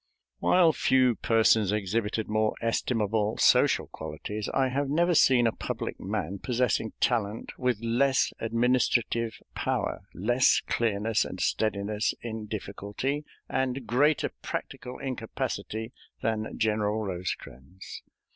While few persons exhibited more estimable social qualities, I have never seen a public man possessing talent with less administrative power, less clearness and steadiness in difficulty, and greater practical incapacity than General Rosecrans.